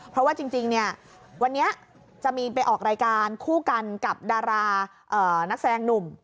เพราะว่าจริงเนี่ยวันนี้จะมีไปออกรายการคู่กันกับดารานักแสดงหนุ่ม